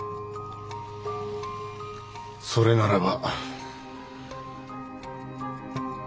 それならば。